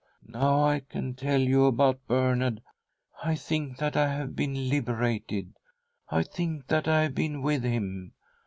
" Now I can tell you about Bernard. I think that I have been liberated— I think that I have been with him.